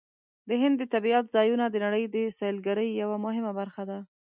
د هند د طبیعت ځایونه د نړۍ د سیلګرۍ یوه مهمه برخه ده.